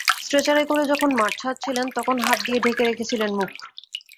স্ট্রেচারে করে যখন মাঠ ছাড়ছিলেন, তখন হাত দিয়ে ঢেকে রেখেছিলেন মুখ।